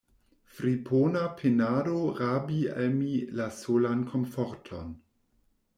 Fripona penado rabi al mi la solan komforton!